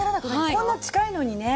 こんな近いのにね。